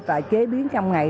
và chế biến trong ngày